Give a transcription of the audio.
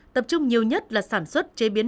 tập trung nhiều nhất là sản xuất chế biến